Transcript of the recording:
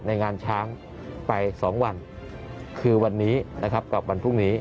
ในงานช้างไป๒วันคือวันนี้หรือวันพรุ่งนี้